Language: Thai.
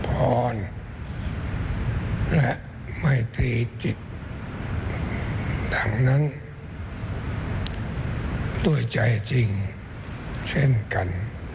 พรและไม่ตรีจิตดังนั้นด้วยใจจริงเช่นกัน